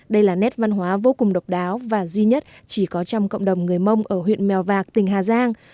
đây là nét văn hóa vô cùng độc đáo và duy nhất chỉ có trong cộng đồng người mông ở huyện mèo vạc tỉnh hà giang